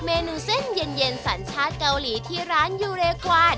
เมนูเส้นเย็นสัญชาติเกาหลีที่ร้านยูเรควาน